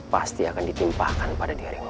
pasti akan ditimpahkan pada dering